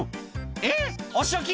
「えっお仕置き⁉